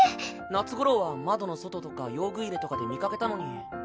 夏ごろは窓の外とか用具入れとかで見かけたのに。